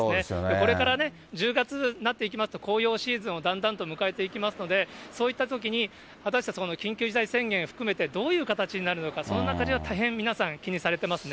これから１０月になってきますと、紅葉シーズンをだんだんと迎えていきますので、そういったときに、果たして緊急事態宣言含めて、どういう形になるのか、その中では大変皆さん気にされてますね。